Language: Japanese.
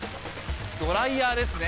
ドライヤーですね。